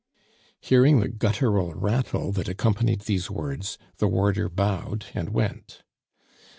Hearing the guttural rattle that accompanied these words, the warder bowed and went.